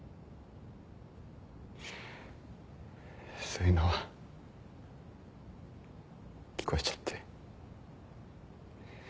そういうのは聞こえちゃって。